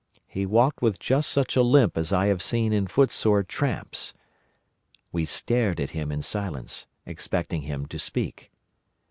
He walked with just such a limp as I have seen in footsore tramps. We stared at him in silence, expecting him to speak.